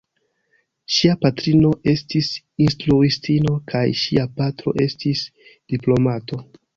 Ŝia patrino estis instruistino kaj ŝia patro estis diplomato.